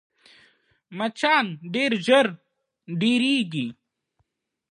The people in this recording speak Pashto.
مچان ډېر ژر ډېرېږي